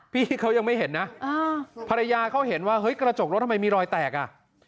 พี่เขายังไม่เห็นนะภรรยาเขาเห็นว่าเฮ้ยกระจกรถทำไมมีรอยแตกอ่ะ